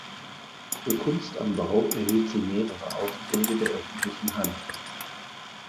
Für Kunst am Bau erhielt sie mehrere Aufträge der öffentlichen Hand.